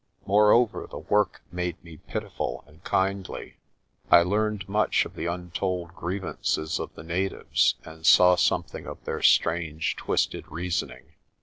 Moreover the work made me pitiful and kindly. I learned much of the untold griev ances of the natives and saw something of their strange, twisted reasoning.